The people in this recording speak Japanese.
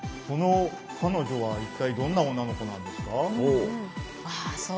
この彼女は一体どんな女の子なんですか？